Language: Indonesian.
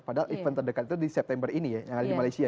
padahal event terdekat itu di september ini ya yang ada di malaysia